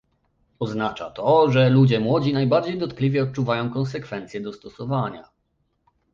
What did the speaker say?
Oznacza to, że ludzie młodzi najbardziej dotkliwie odczuwają konsekwencje dostosowania